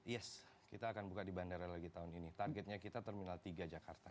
yes kita akan buka di bandara lagi tahun ini targetnya kita terminal tiga jakarta